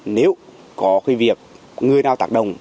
nếu có cái việc người nào tạc đồng